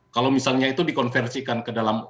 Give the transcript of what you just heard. kalau misalnya itu dikonversikan ke dalam